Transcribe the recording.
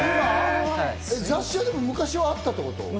雑誌は昔はあったってこと？